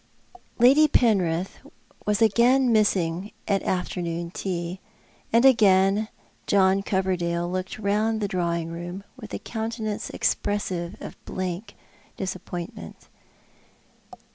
Lady Penrith was again missing at afternoon tea, and again John Coverdale looked round the drawing room with a counte nance expressive of blank disappointment.